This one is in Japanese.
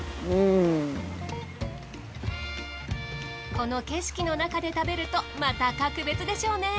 この景色の中で食べるとまた格別でしょうね。